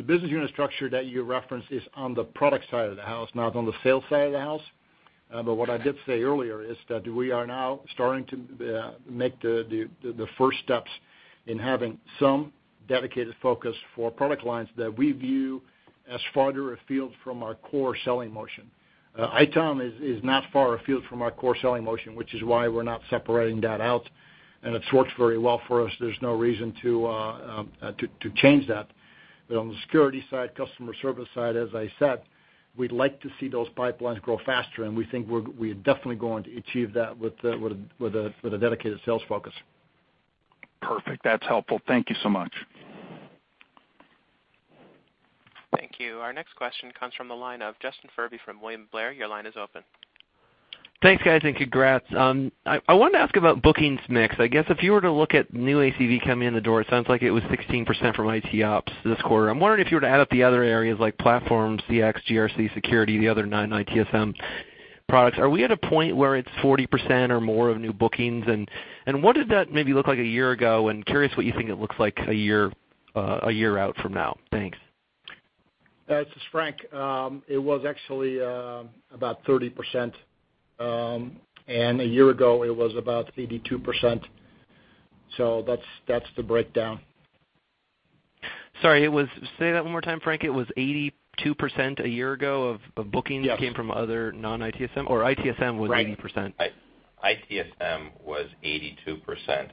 business unit structure that you referenced is on the product side of the house, not on the sales side of the house. What I did say earlier is that we are now starting to make the first steps in having some dedicated focus for product lines that we view as farther afield from our core selling motion. ITOM is not far afield from our core selling motion, which is why we're not separating that out, and it's worked very well for us. There's no reason to change that. On the Security side, Customer Service side, as I said, we'd like to see those pipelines grow faster, and we think we're definitely going to achieve that with a dedicated sales focus. Perfect. That's helpful. Thank you so much. Thank you. Our next question comes from the line of Justin Furby from William Blair. Your line is open. Thanks, guys, and congrats. I wanted to ask about bookings mix. I guess if you were to look at new ACV coming in the door, it sounds like it was 16% from ITOps this quarter. I'm wondering if you were to add up the other areas like platform, CX, GRC, security, the other non-ITSM products, are we at a point where it's 40% or more of new bookings? What did that maybe look like a year ago? Curious what you think it looks like a year out from now. Thanks. This is Frank. It was actually about 30%, and a year ago it was about 82%. That's the breakdown. Sorry, say that one more time, Frank. It was 82% a year ago of bookings. Yes came from other non-ITSM, or ITSM was 80%? Right. ITSM was 82%.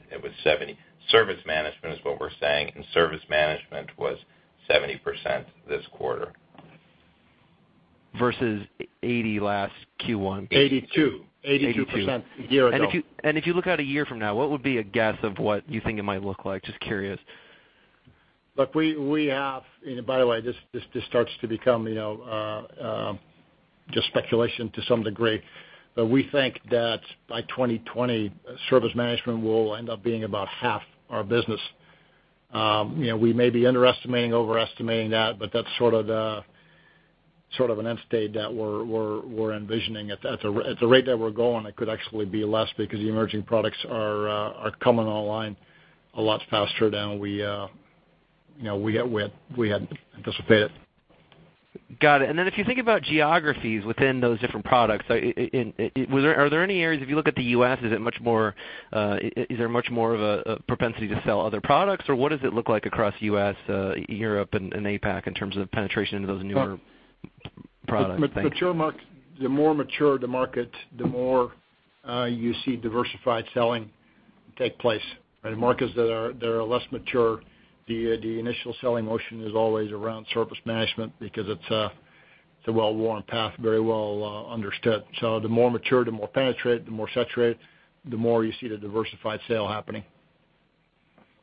Service management is what we're saying, and service management was 70% this quarter. Versus 80% last Q1. Eighty-two. Eighty-two. 82% a year ago. If you look out 1 year from now, what would be a guess of what you think it might look like? Just curious. Look, and by the way, this starts to become just speculation to some degree, but we think that by 2020, Service Management will end up being about half our business. We may be underestimating, overestimating that, but that's sort of an end state that we're envisioning. At the rate that we're going, it could actually be less because the emerging products are coming online a lot faster than we had anticipated. Got it. If you think about geographies within those different products, are there any areas, if you look at the U.S., is there much more of a propensity to sell other products, or what does it look like across U.S., Europe, and APAC in terms of penetration into those newer products? Thanks. The more mature the market, the more you see diversified selling take place. In markets that are less mature, the initial selling motion is always around Service Management because it's a well-worn path, very well understood. The more mature, the more penetrated, the more saturated, the more you see the diversified sale happening.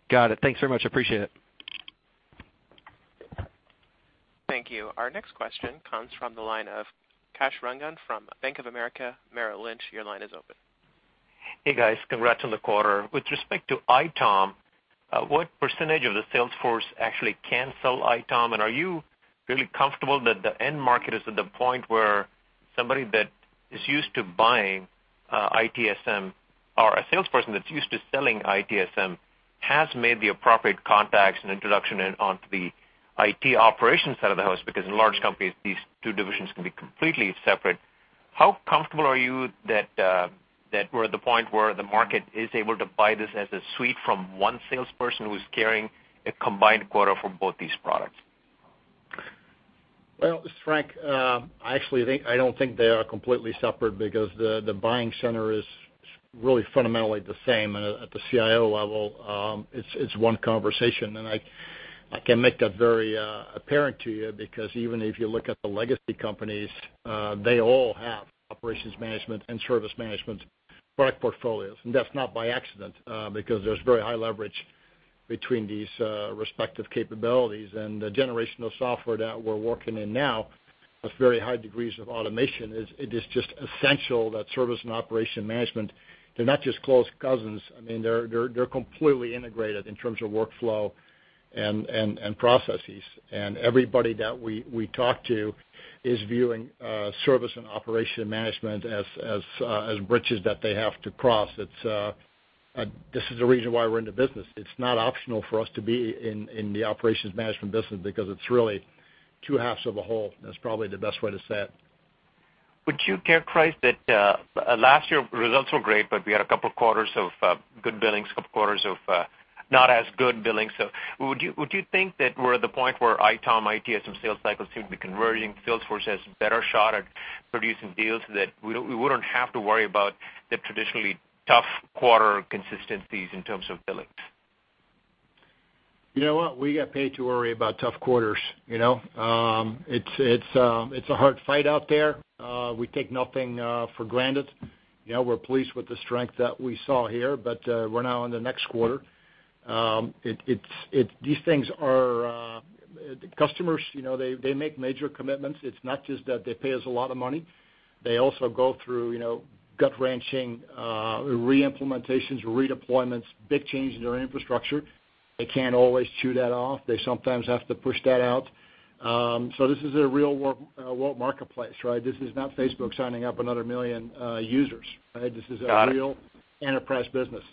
Got it. Thanks very much. Appreciate it. Thank you. Our next question comes from the line of Kash Rangan from Bank of America Merrill Lynch. Your line is open. Hey, guys. Congrats on the quarter. With respect to ITOM, what percentage of the sales force actually can sell ITOM? Are you really comfortable that the end market is at the point where somebody that is used to buying ITSM or a salesperson that's used to selling ITSM has made the appropriate contacts and introduction onto the IT operations side of the house, because in large companies, these two divisions can be completely separate. How comfortable are you that we're at the point where the market is able to buy this as a suite from one salesperson who's carrying a combined quota for both these products? Well, this is Frank. I actually don't think they are completely separate because the buying center is really fundamentally the same at the CIO level. It's one conversation, and I can make that very apparent to you because even if you look at the legacy companies, they all have operations management and service management product portfolios. That's not by accident, because there's very high leverage between these respective capabilities. The generational software that we're working in now has very high degrees of automation. It is just essential that service and operation management, they're not just close cousins. They're completely integrated in terms of workflow and processes. Everybody that we talk to is viewing service and operation management as bridges that they have to cross. This is the reason why we're in the business. It's not optional for us to be in the operations management business because it's really two halves of a whole. That's probably the best way to say it. Would you care, Frank, that last year results were great, we had a couple of quarters of good billings, couple quarters of not as good billings. Would you think that we're at the point where ITOM, ITSM sales cycles seem to be converging, sales force has a better shot at producing deals that we wouldn't have to worry about the traditionally tough quarter consistencies in terms of billings? You know what? We get paid to worry about tough quarters. It's a hard fight out there. We take nothing for granted. We're pleased with the strength that we saw here, we're now in the next quarter. Customers, they make major commitments. It's not just that they pay us a lot of money. They also go through gut-wrenching re-implementations, redeployments, big changes in their infrastructure. They can't always chew that off. They sometimes have to push that out. This is a real marketplace, right? This is not Facebook signing up another million users, right? Got it. This is a real enterprise business.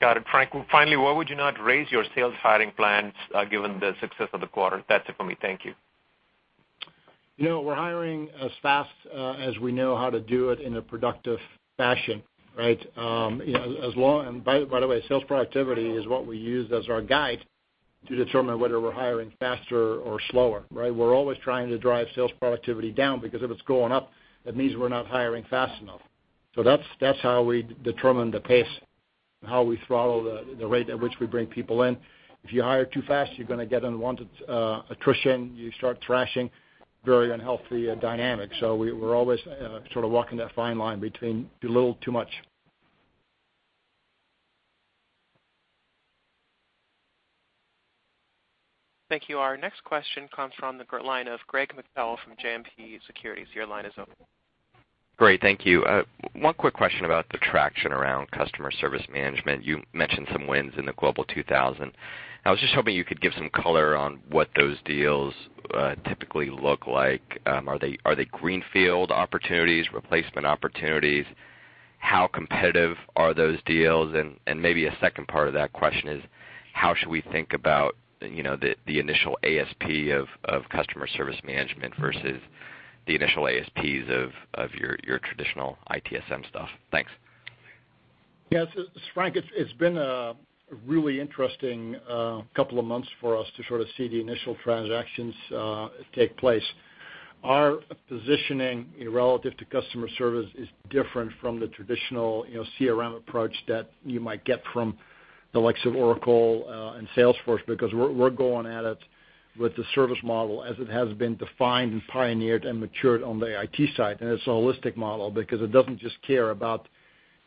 Got it. Frank, finally, why would you not raise your sales hiring plans given the success of the quarter? That's it for me. Thank you. We're hiring as fast as we know how to do it in a productive fashion, right? By the way, sales productivity is what we use as our guide to determine whether we're hiring faster or slower, right? We're always trying to drive sales productivity down, because if it's going up, that means we're not hiring fast enough. That's how we determine the pace and how we throttle the rate at which we bring people in. If you hire too fast, you're going to get unwanted attrition. You start thrashing. Very unhealthy dynamic. We're always sort of walking that fine line between do a little too much Thank you. Our next question comes from the line of Gregg Moskowitz from JMP Securities. Your line is open. Great. Thank you. One quick question about the traction around Customer Service Management. You mentioned some wins in the Global 2000. I was just hoping you could give some color on what those deals typically look like. Are they greenfield opportunities, replacement opportunities? How competitive are those deals? Maybe a second part of that question is how should we think about the initial ASP of Customer Service Management versus the initial ASPs of your traditional ITSM stuff? Thanks. Yes, Frank, it's been a really interesting couple of months for us to sort of see the initial transactions take place. Our positioning relative to customer service is different from the traditional CRM approach that you might get from the likes of Oracle and Salesforce, because we're going at it with the service model as it has been defined and pioneered and matured on the IT side. It's a holistic model because it doesn't just care about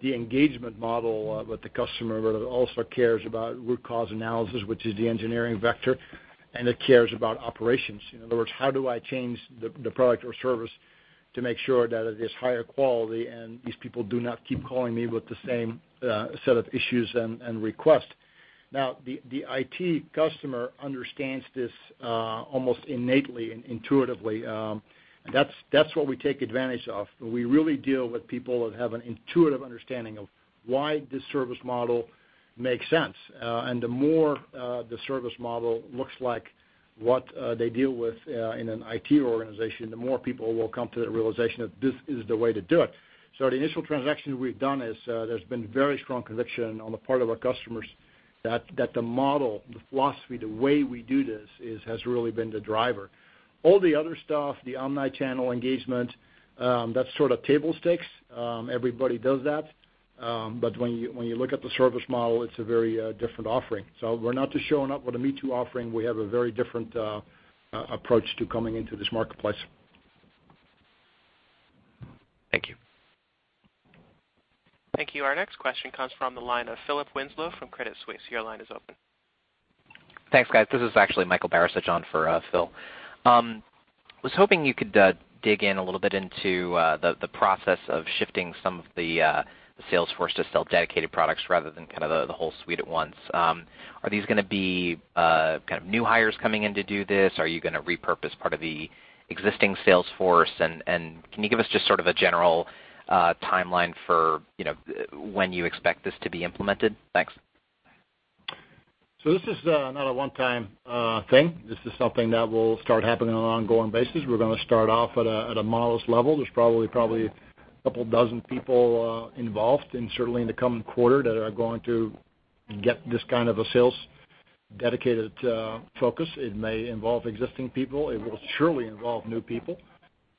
the engagement model with the customer, but it also cares about root cause analysis, which is the engineering vector, and it cares about operations. In other words, how do I change the product or service to make sure that it is higher quality and these people do not keep calling me with the same set of issues and requests. The IT customer understands this almost innately and intuitively. That's what we take advantage of. We really deal with people that have an intuitive understanding of why this service model makes sense. The more the service model looks like what they deal with in an IT organization, the more people will come to the realization that this is the way to do it. The initial transaction we've done is, there's been very strong conviction on the part of our customers that the model, the philosophy, the way we do this has really been the driver. All the other stuff, the omni-channel engagement, that's sort of table stakes. Everybody does that. When you look at the service model, it's a very different offering. We're not just showing up with a me-too offering. We have a very different approach to coming into this marketplace. Thank you. Thank you. Our next question comes from the line of Philip Winslow from Credit Suisse. Your line is open. Thanks, guys. This is actually Michael Nemeroff, John for Phil. Was hoping you could dig in a little bit into the process of shifting some of the sales force to sell dedicated products rather than kind of the whole suite at once. Are these going to be kind of new hires coming in to do this? Are you going to repurpose part of the existing sales force? Can you give us just sort of a general timeline for when you expect this to be implemented? Thanks. This is not a one-time thing. This is something that will start happening on an ongoing basis. We're going to start off at a modest level. There's probably a couple dozen people involved, and certainly in the coming quarter, that are going to get this kind of a sales-dedicated focus. It may involve existing people. It will surely involve new people.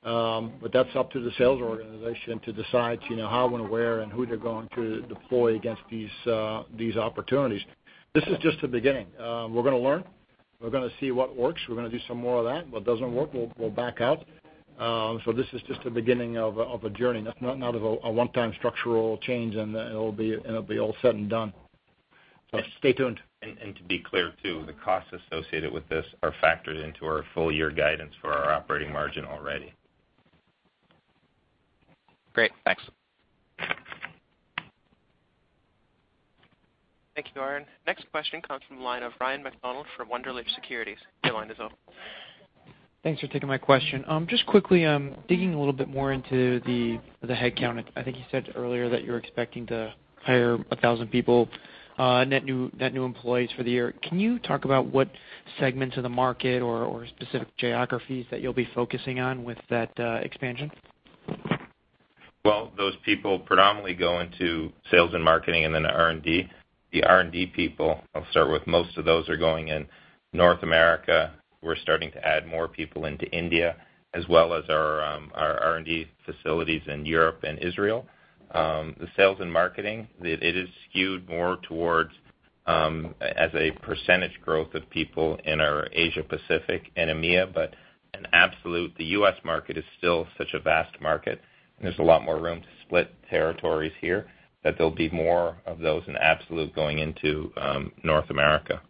That's up to the sales organization to decide how and where and who they're going to deploy against these opportunities. This is just the beginning. We're going to learn. We're going to see what works. We're going to do some more of that. What doesn't work, we'll back out. This is just the beginning of a journey. That's not a one-time structural change, it'll be all said and done. Stay tuned. To be clear too, the costs associated with this are factored into our full-year guidance for our operating margin already. Great. Thanks. Thank you, [Michael]. Next question comes from the line of Ryan MacDonald from Wunderlich Securities. Your line is open. Thanks for taking my question. Just quickly, digging a little bit more into the headcount. I think you said earlier that you're expecting to hire 1,000 people net new employees for the year. Can you talk about what segments of the market or specific geographies that you'll be focusing on with that expansion? Well, those people predominantly go into sales and marketing and then the R&D. The R&D people, I'll start with, most of those are going in North America. We're starting to add more people into India, as well as our R&D facilities in Europe and Israel. The sales and marketing, it is skewed more towards, as a percentage growth of people in our Asia Pacific and EMEA, but in absolute, the U.S. market is still such a vast market, and there's a lot more room to split territories here, that there'll be more of those in absolute going into North America.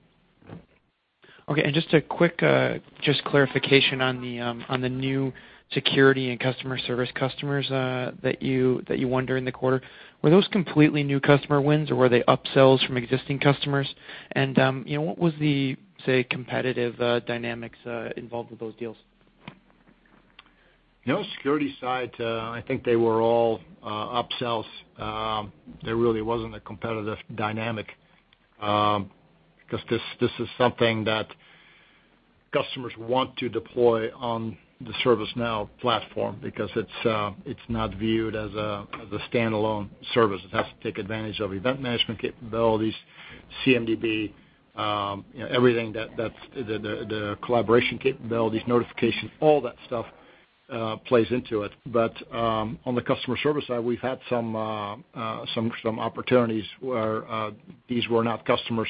Okay. Just a quick clarification on the new security and customer service customers that you won during the quarter. Were those completely new customer wins, or were they up-sells from existing customers? What was the, say, competitive dynamics involved with those deals? No security side, I think they were all up-sells. There really wasn't a competitive dynamic, because this is something that customers want to deploy on the ServiceNow platform because it's not viewed as a standalone service. It has to take advantage of event management capabilities, CMDB, everything, the collaboration capabilities, notifications, all that stuff plays into it. On the customer service side, we've had some opportunities where these were not customers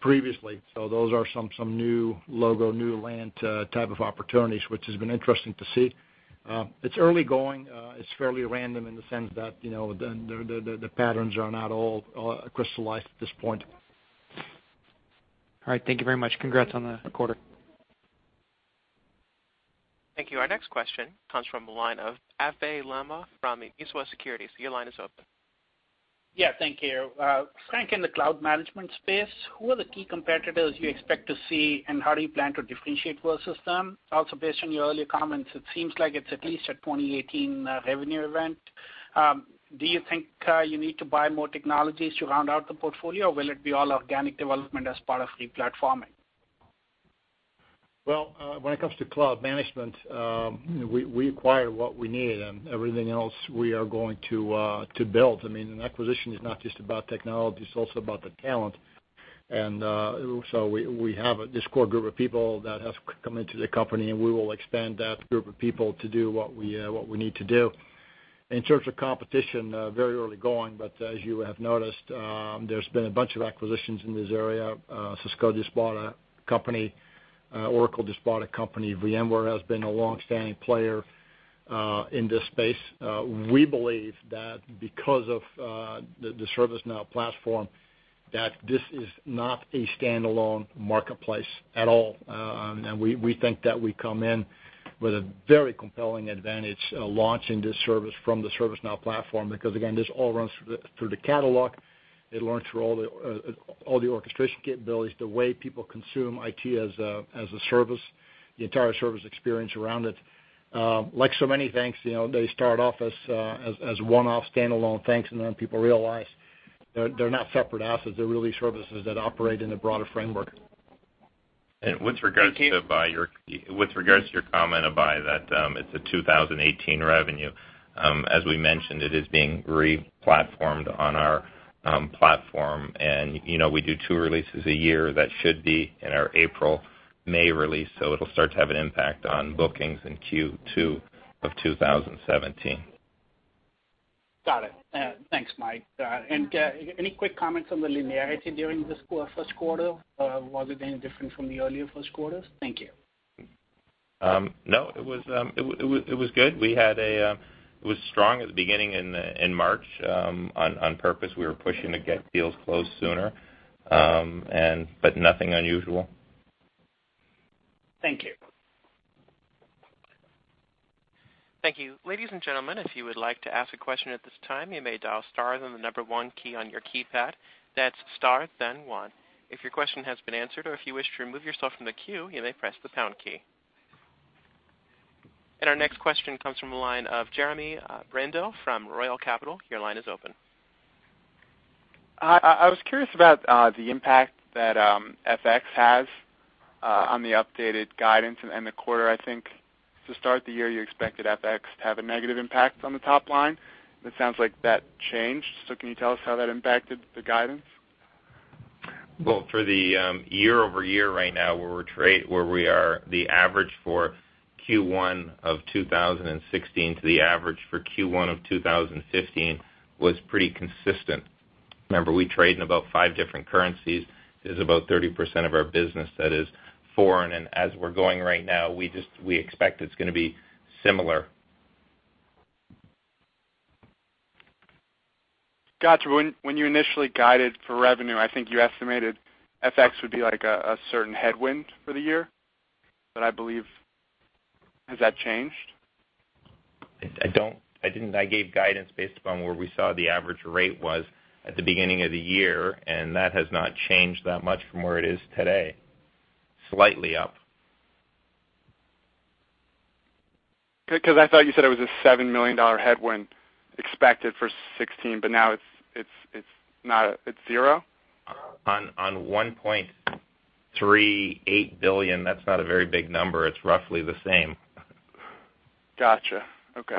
previously. Those are some new logo, new land type of opportunities, which has been interesting to see. It's early going. It's fairly random in the sense that the patterns are not all crystallized at this point. All right. Thank you very much. Congrats on the quarter. Thank you. Our next question comes from the line of Abhey Lamba from East West Securities. Your line is open. Yeah, thank you. Frank, in the cloud management space, who are the key competitors you expect to see, and how do you plan to differentiate world-system? Based on your earlier comments, it seems like it's at least a 2018 revenue event. Do you think you need to buy more technologies to round out the portfolio, or will it be all organic development as part of replatforming? Well, when it comes to cloud management, we acquire what we need and everything else we are going to build. An acquisition is not just about technology, it's also about the talent. We have this core group of people that have come into the company, and we will expand that group of people to do what we need to do. In terms of competition, very early going, but as you have noticed, there's been a bunch of acquisitions in this area. Cisco just bought a company, Oracle just bought a company. VMware has been a longstanding player in this space. We believe that because of the ServiceNow platform, that this is not a standalone marketplace at all. We think that we come in with a very compelling advantage launching this service from the ServiceNow platform. Again, this all runs through the catalog. It runs through all the orchestration capabilities, the way people consume IT as a service, the entire service experience around it. Like so many things, they start off as one-off standalone things, people realize they're not separate assets. They're really services that operate in a broader framework. With regards to your comment, Abhey, that it's a 2018 revenue, as we mentioned, it is being replatformed on our platform, we do two releases a year. That should be in our April, May release, it'll start to have an impact on bookings in Q2 of 2017. Got it. Thanks, Mike. Any quick comments on the linearity during this first quarter? Was it any different from the earlier first quarters? Thank you. No, it was good. It was strong at the beginning in March. On purpose, we were pushing to get deals closed sooner, but nothing unusual. Thank you. Thank you. Ladies and gentlemen, if you would like to ask a question at this time, you may dial star then the number one key on your keypad. That's star then one. If your question has been answered or if you wish to remove yourself from the queue, you may press the pound key. Our next question comes from the line of Jeremy Campbell from Royal Capital. Your line is open. Hi. I was curious about the impact that FX has on the updated guidance and the quarter. I think to start the year, you expected FX to have a negative impact on the top line. It sounds like that changed. Can you tell us how that impacted the guidance? Well, for the year-over-year right now where we are, the average for Q1 of 2016 to the average for Q1 of 2015 was pretty consistent. Remember, we trade in about five different currencies. It is about 30% of our business that is foreign, and as we're going right now, we expect it's going to be similar. Got you. When you initially guided for revenue, I think you estimated FX would be a certain headwind for the year. I believe, has that changed? I gave guidance based upon where we saw the average rate was at the beginning of the year, and that has not changed that much from where it is today. Slightly up. Good, because I thought you said it was a $7 million headwind expected for 2016, but now it's zero? On $1.38 billion, that's not a very big number. It's roughly the same. Got you. Okay.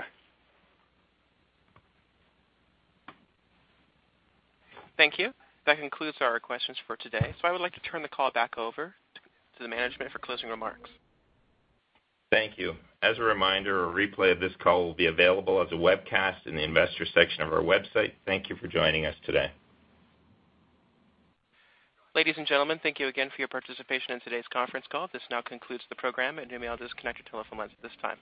Thank you. That concludes our questions for today, so I would like to turn the call back over to the management for closing remarks. Thank you. As a reminder, a replay of this call will be available as a webcast in the Investors section of our website. Thank you for joining us today. Ladies and gentlemen, thank you again for your participation in today's conference call. This now concludes the program, and you may disconnect your telephone lines at this time.